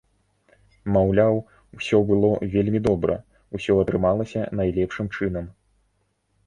Маўляў, усё было вельмі добра, усё атрымалася найлепшым чынам.